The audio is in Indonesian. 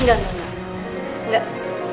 enggak enggak enggak